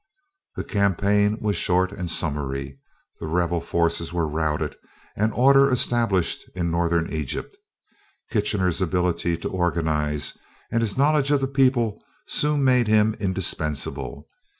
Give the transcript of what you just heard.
The campaign was short and summary. The rebel forces were routed and order established in northern Egypt. Kitchener's ability to organize, and his knowledge of the people soon made him indispensable.